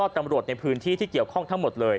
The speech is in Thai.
ตำรวจในพื้นที่ที่เกี่ยวข้องทั้งหมดเลย